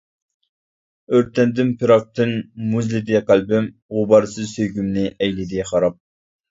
ئۆرتەندىم پىراقتىن، مۇزلىدى قەلبىم غۇبارسىز سۆيگۈمنى ئەيلىدى خاراب.